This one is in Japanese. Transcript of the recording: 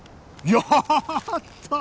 やった！